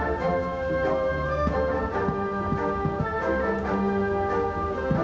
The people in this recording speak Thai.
สวัสดีครับสวัสดีครับ